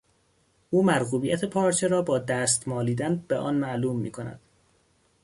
او مرغوبیت پارچه را با دست مالیدن، به آن معلوم میکند.